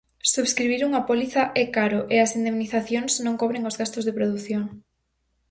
Subscribir unha póliza é caro e as indemnizacións non cobren os gastos de produción.